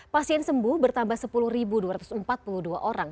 pasien sembuh bertambah sepuluh dua ratus empat puluh dua orang